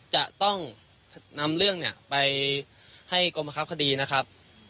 จะต้องนำเรื่องเนี่ยไปให้กรมประคับคดีนะครับ